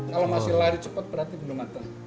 kalau masih lari cepat berarti belum ada